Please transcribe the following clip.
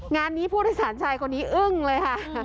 งานนี้ผู้โดยสารชายคนนี้อึ้งเลยค่ะ